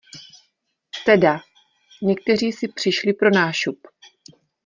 Teda, někteří si přišli pro nášup.